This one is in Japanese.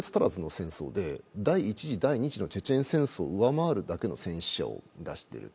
たった３カ月足らずの戦争で第一次第二次のチェチェン戦争を上回るだけの戦死者を出している。